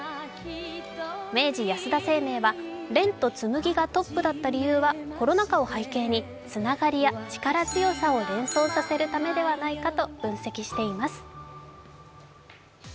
明治安田生命は、「蓮」と「紬」がトップだった理由はコロナ禍を背景につながりや、力強さを連想させるためではないかと分析しています。